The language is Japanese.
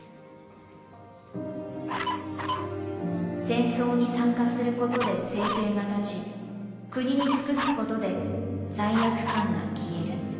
戦争に参加することで生計が立ち国に尽くすことで罪悪感が消える。